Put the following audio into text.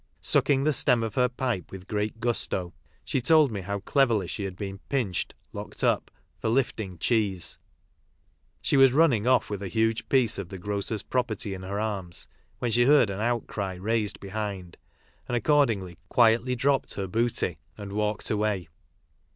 Sucking the stem of her pipe with great gusto, she told me how cleverly she had been " pinched" (locked up) for lifting cheese. She was running off with a huge piece of the grocer's pro perty m her arms when she heard an outcry raised behind, and accordingly quietly dropped her booty and walked away.